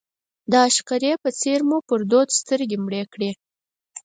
د عشقري په څېر مو پر دود سترګې مړې کړې.